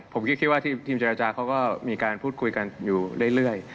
ผมคิดว่าทีมเจรจาเขาก็มีการพูดคุยกันอยู่เรื่อย